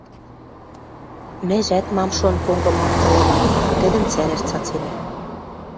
Мӓжӓт мам-шон понгымактылына, тӹдӹм цӓрӓш цаценӓ.